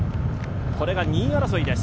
これが２位争いです。